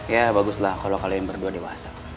ya baguslah kalo kalian berdua dewasa